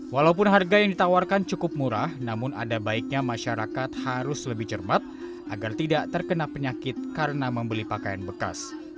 walaupun harga yang ditawarkan cukup murah namun ada baiknya masyarakat harus lebih cermat agar tidak terkena penyakit karena membeli pakaian bekas